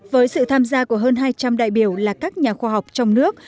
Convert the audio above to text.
với sự tham gia của hơn hai trăm linh đại biểu là các nhà khoa học trong nước